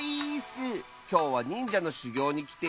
きょうはにんじゃのしゅぎょうにきているよ！